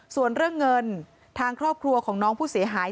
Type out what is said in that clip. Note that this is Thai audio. ส่วนเรื่องเงินทางครอบครัวของน้องผู้เสียหาย